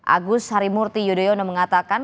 agus harimurti yudhoyono mengatakan